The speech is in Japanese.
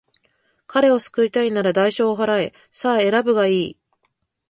彼を救いたいのなら、代償を払え。さあ、選ぶがいい。